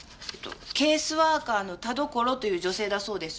ケースワーカーの田所という女性だそうです。